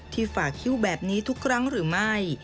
ฝากคิ้วแบบนี้ทุกครั้งหรือไม่